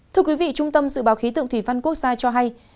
thưa quý vị trung tâm dự báo khí tượng thủy văn quốc gia cho hay